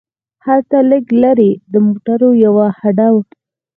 هلته لږ لرې د موټرو یوه هډه وه.